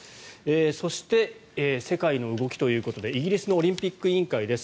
そして、世界の動きということでイギリスのオリンピック委員会です。